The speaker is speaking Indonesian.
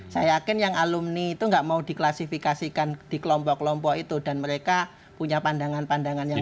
saya yakin yang alumni itu gak mau diklasifikasikan di kelompok kelompok itu dan mereka punya pandangan pandangan yang berbeda